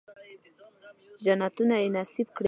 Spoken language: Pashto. جنتونه یې نصیب کي لویه ربه ,